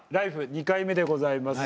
２回目でございますが。